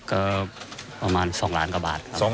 ก็ประมาณ๒ล้านกว่าบาทครับ